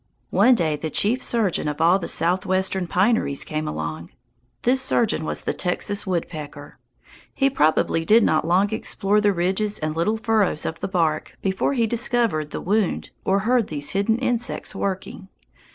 One day the chief surgeon of all the Southwestern pineries came along. This surgeon was the Texas woodpecker. He probably did not long explore the ridges and little furrows of the bark before he discovered the wound or heard these hidden insects working.